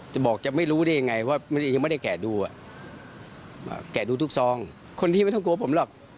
จะบอกจะไม่รู้ได้ยังไงว่ายังไม่ได้แกะดูแกะดูทุกซองคนที่ไม่ต้องกลัวผมหรอก